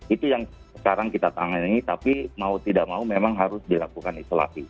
itu yang sekarang kita tangani tapi mau tidak mau memang harus dilakukan isolasi